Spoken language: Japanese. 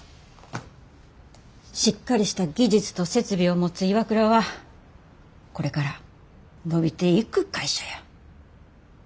しっかりした技術と設備を持つＩＷＡＫＵＲＡはこれから伸びていく会社や。